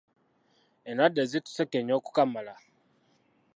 Endwadde zitusenkenya okukamala.